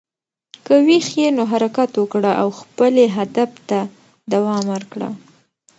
که ویښ یې، نو حرکت وکړه او خپلې هدف ته دوام ورکړه.